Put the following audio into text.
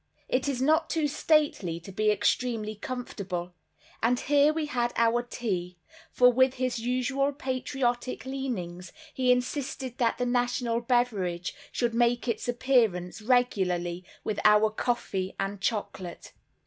It is not too stately to be extremely comfortable; and here we had our tea, for with his usual patriotic leanings he insisted that the national beverage should make its appearance regularly with our coffee and chocolate.